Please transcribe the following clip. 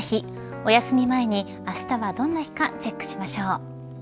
おやすみ前にあしたはどんな日かチェックしましょう。